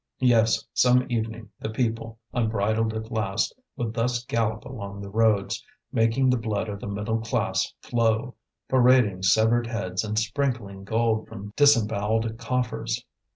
Yes, some evening the people, unbridled at last, would thus gallop along the roads, making the blood of the middle class flow, parading severed heads and sprinkling gold from disembowelled coffers.